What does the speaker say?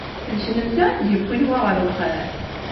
D kennemti ay d-yewwin wa ɣer uxxam?